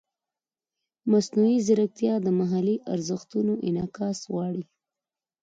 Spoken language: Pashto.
مصنوعي ځیرکتیا د محلي ارزښتونو انعکاس غواړي.